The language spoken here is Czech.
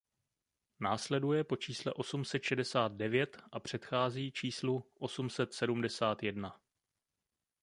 Následuje po čísle osm set šedesát devět a předchází číslu osm set sedmdesát jedna.